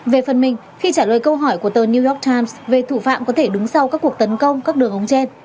về phần mình khi trả lời câu hỏi của tờ new york times về thủ phạm có thể đứng sau các cuộc tấn công các đường ống trên